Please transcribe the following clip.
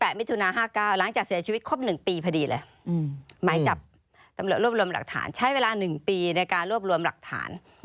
มิถุนา๕๙หลังจากเสียชีวิตครบ๑ปีพอดีเลยหมายจับตำรวจรวบรวมหลักฐานใช้เวลา๑ปีในการรวบรวมหลักฐาน